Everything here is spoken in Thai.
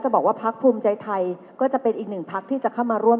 บอกว่าพักภูมิใจไทยก็จะเป็นอีกหนึ่งพักที่จะเข้ามาร่วม